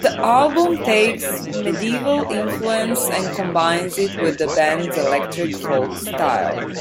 The album takes medieval influence and combines it with the band's electric folk style.